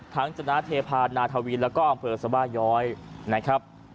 ทั้งจนาธิพานาธวีนและอำเภอสบาย้อยนะครับ